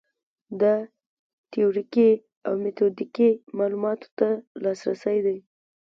دا تیوریکي او میتودیکي معلوماتو ته لاسرسی دی.